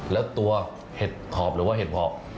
แล้วตัวเห็ดถอบหรือว่าเห็ดหอบ